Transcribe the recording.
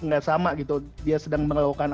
nggak sama gitu dia sedang melakukan